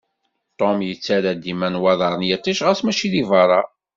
Tom yettarra dima nnwaḍer n yiṭij, ɣas mačči deg berra.